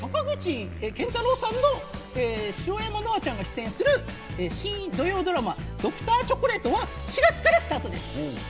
坂口健太郎さんと白山乃愛ちゃんが出演する新土曜ドラマ『Ｄｒ．チョコレート』は４月からスタートです。